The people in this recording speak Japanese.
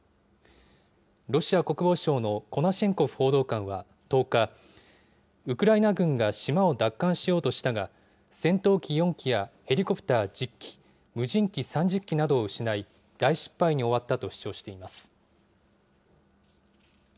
ロシア国防省のコナシェンコフ報道官は１０日、ウクライナ軍が島を奪還しようとしたが、戦闘機４機やヘリコプター１０機、無人機３０機などを失い、大失敗に終わったと主張しています。